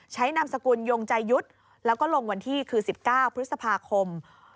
นามสกุลยงใจยุทธ์แล้วก็ลงวันที่คือ๑๙พฤษภาคม